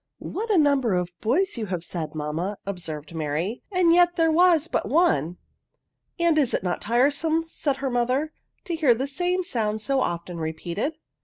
*' What a number of boys you have said mamma!'* observed Mary, "and yet there was but one." " And is it not tiresome," said her mo ther, " to hear the same sound so often re* peated